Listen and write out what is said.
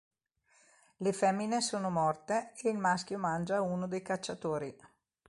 Le femmine sono morte e il maschio mangia uno dei cacciatori.